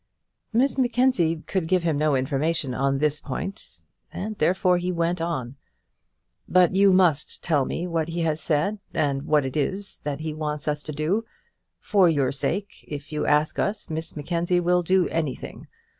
Miss Mackenzie could give him no information on this point, and therefore he went on: "But you must tell me what he has said, and what it is he wants us to do. For your sake, if you ask us, Miss Mackenzie, we'll do anything.